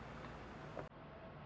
udah ngibanguk sekarang